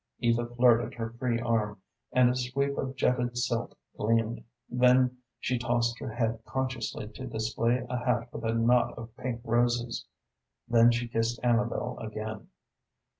Eva flirted her free arm, and a sweep of jetted silk gleamed, then she tossed her head consciously to display a hat with a knot of pink roses. Then she kissed Amabel again.